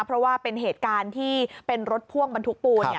เพราะว่าเป็นเหตุการณ์ที่เป็นรถพ่วงบรรทุกปูน